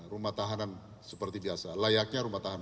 rumah tahanan seperti biasa layaknya rumah tahanan